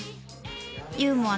ユーモア